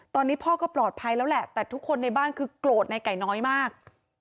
ตอนนี้พ่อก็ปลอดภัยแล้วแหละแต่ทุกคนในบ้านคือโกรธในไก่น้อยมาก